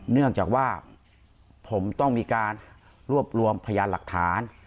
เนื่องจากว่าผมต้องมีการรวบรวมพยานหลักฐาน